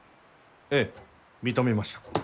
ええ認めました。